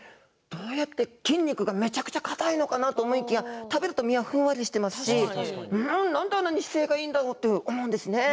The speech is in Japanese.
筋肉がめちゃくちゃかたいのかなと思いきや食べるとふんわりしていますしなんで、あんなに姿勢がいいんだろうと思うんですよね。